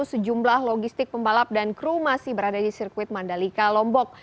sejumlah logistik pembalap dan kru masih berada di sirkuit mandalika lombok